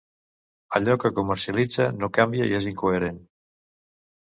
Allò que comercialitza no canvia i és incoherent.